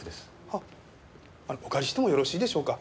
あっお借りしてもよろしいでしょうか？